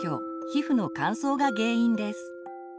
皮膚の乾燥が原因です。